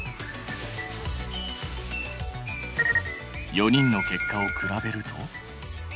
４人の結果を比べると。